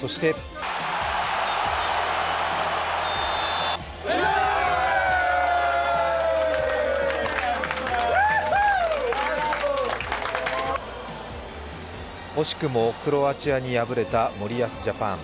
そして惜しくもクロアチアに敗れた森保ジャパン。